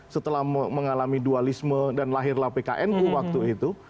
setelah mengalami dualisme dan lahirlah pknu waktu itu